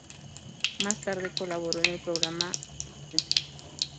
Más tarde colaboró en el programa "Buenafuente".